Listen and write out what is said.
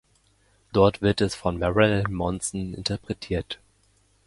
Dort wird es von Marilyn Manson interpretiert.